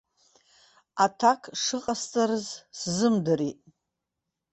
Аҭак шыҟасҵарыз сзымдырит.